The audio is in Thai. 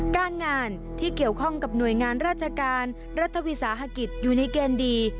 การงานที่เกี่ยวข้องกับหน่วยงานราชการรัฐวิสาหกิจอยู่ในเกณฑ์ดี